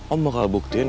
om bakal buktiin